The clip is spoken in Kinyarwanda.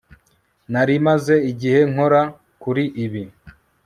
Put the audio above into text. Nari maze igihe nkora kuri ibi